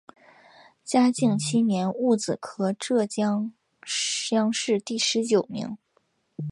嘉靖七年戊子科浙江乡试第十九名。